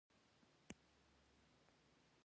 مېوې د افغانستان د سیلګرۍ د صنعت یوه برخه ده.